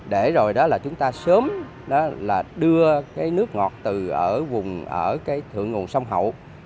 để rồi chúng ta sớm đưa nước ngọt từ thượng nguồn sông hậu